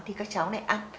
thì các cháu này ăn